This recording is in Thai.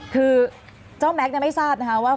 คือเจ้าแม็กซ์ไม่ทราบนะคะว่า